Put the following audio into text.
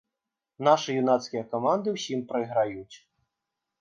Нашы юнацкія каманды ўсім прайграюць.